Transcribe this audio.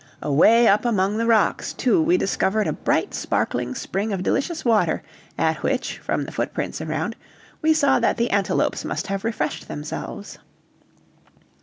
Away up among the rocks, too, we discovered a bright sparkling spring of delicious water, at which, from the footprints around, we saw that the antelopes must have refreshed themselves.